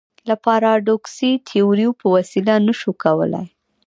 له پاراډوکسي تیوریو په وسیله نه شو کولای.